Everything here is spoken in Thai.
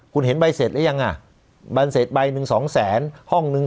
คุณเห็นใบเสร็จหรือยังอ่ะใบเสร็จใบหนึ่งสองแสนห้องนึง